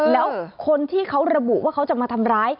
แล้วคนที่เขาระบุว่าเขาจะมาทำร้าย